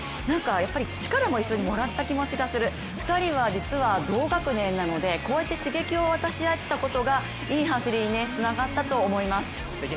やっぱり力も一緒にもらった気がする、２人は実は同学年なのでこうやって刺激を渡し合ったことがいい走りにつながったと思います。